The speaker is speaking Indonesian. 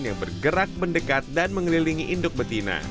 yang bergerak mendekat dan mengelilingi induk betina